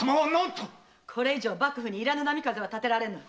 これ以上幕府にいらぬ波風は立てられぬ。